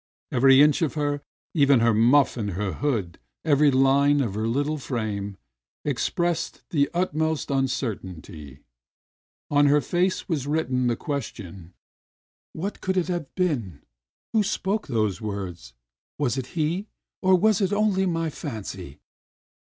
Every inch of her, even her muff and her hood, every line of her Uttle frame expressed the utmost uncertainty. On her face was written the question: " What can it have been .'' Who spoke those words ? Was it he, or was it only my fancy